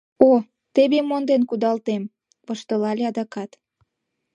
О, теве монден кудалтем, — воштылале адакат.